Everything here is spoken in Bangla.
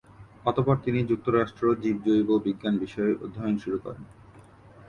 অতঃপর তিনি যুক্তরাষ্ট্র জীব-জৈব বিজ্ঞান বিষয়ে অধ্যয়ন শুরু করেন।